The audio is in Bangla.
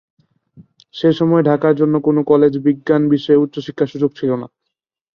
সেসময় ঢাকার অন্য কোনো কলেজে বিজ্ঞান বিষয়ে উচ্চশিক্ষার সুযোগ ছিলনা।